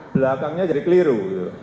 belakangnya jadi keliru